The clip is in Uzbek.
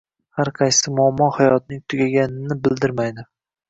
Har qaysi muammo hayotning tugaganini bildirmaydi.